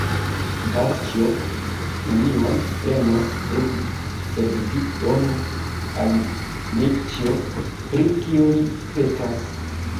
Bazĉjo nenion prenos de vi, sed vi donu al Nikĉjo, pri kio li petas.